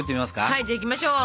はいじゃあいきましょう。